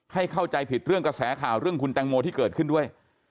เข้าใจผิดเรื่องกระแสข่าวเรื่องคุณแตงโมที่เกิดขึ้นด้วย